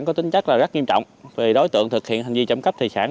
có tính chất là rất nghiêm trọng vì đối tượng thực hiện hành vi trộm cắp tài sản